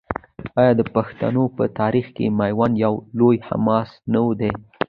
آیا د پښتنو په تاریخ کې میوند یوه لویه حماسه نه ده؟